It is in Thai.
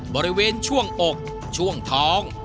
บริเวณช่วงอกช่วงท้อง